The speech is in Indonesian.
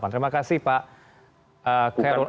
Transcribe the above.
terima kasih pak kherul anam